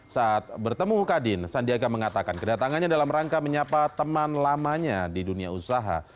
saat bertemu kadin sandiaga mengatakan kedatangannya dalam rangka menyapa teman lamanya di dunia usaha